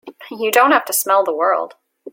You don't have to smell the world!